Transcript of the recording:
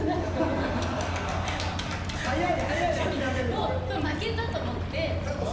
もう負けたと思って。